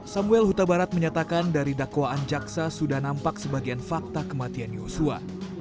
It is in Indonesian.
samuel huta barat menyatakan dari dakwaan jaksa sudah nampak sebagian fakta kematian yosua